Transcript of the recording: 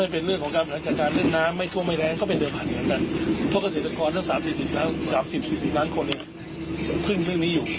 พึ่งเรื่องนี้อยู่